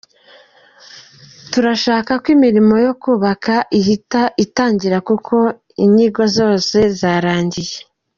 Turashaka ko imirimo yo kubaka ihita itangira kuko inyigo zose zarangiye.